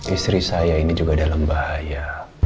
istri saya ini juga dalam bahaya